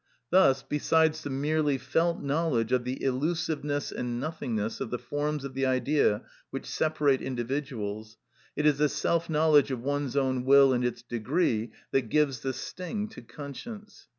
Thus, besides the merely felt knowledge of the illusiveness and nothingness of the forms of the idea which separate individuals, it is the self knowledge of one's own will and its degree that gives the sting to conscience.